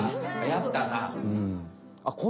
やったな！